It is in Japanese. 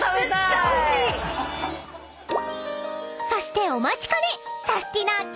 ［そしてお待ちかね！］